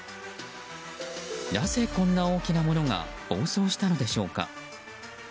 なぜこんな大きなものが暴走したのでしょうか。